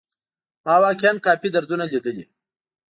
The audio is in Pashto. ما واقيعا کافي دردونه ليدلي.